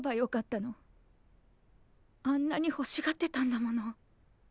あんなにほしがってたんだもの。